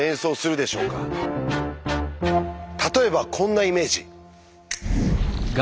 例えばこんなイメージ？